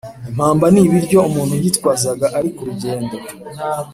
Impamba n’Ibiryo umuntu yitwazaga ari ku rugendo